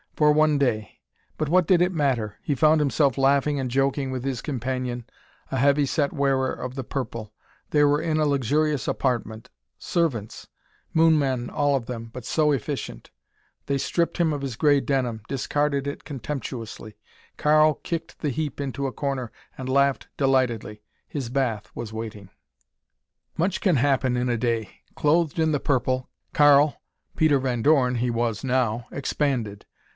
For one day. But what did it matter? He found himself laughing and joking with his companion, a heavy set wearer of the purple. They were in a luxurious apartment. Servants! Moon men all of them, but so efficient. They stripped him of his gray denim; discarded it contemptuously. Karl kicked the heap into a corner and laughed delightedly. His bath was waiting. Much can happen in a day. Clothed in the purple, Karl Peter Van Dorn, he was, now expanded.